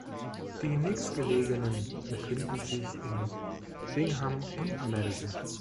Die nächstgelegenen befinden sich in Bingham und Madison.